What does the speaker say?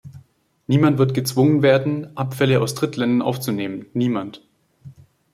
Niemand wird gezwungen werden, Abfälle aus Drittländern aufzunehmen, niemand.